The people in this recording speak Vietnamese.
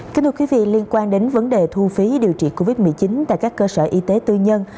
kính thưa quý vị liên quan đến vấn đề thu phí điều trị covid một mươi chín tại các cơ sở y tế tư nhân